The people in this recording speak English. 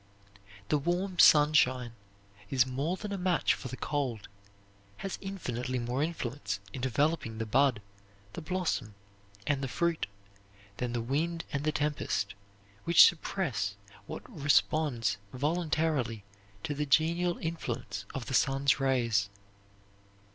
The warm sunshine is more than a match for the cold, has infinitely more influence in developing the bud, the blossom, and the fruit than the wind and the tempest, which suppress what responds voluntarily to the genial influence of the sun's rays.